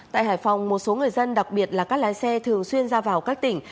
tại hải phòng một số người dân đặc biệt là các lái xe thường xuyên ra vào các tỉnh